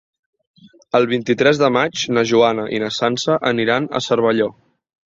El vint-i-tres de maig na Joana i na Sança aniran a Cervelló.